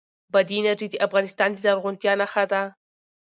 بادي انرژي د افغانستان د زرغونتیا نښه ده.